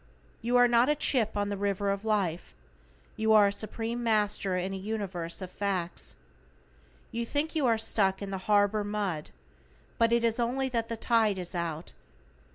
You are not a chip on the River of Life, you are a Supreme Master in a Universe of Facts. You think you are stuck in the harbor mud, but it is only that the tide is out.